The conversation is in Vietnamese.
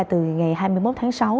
từ ngày hai mươi một tháng sáu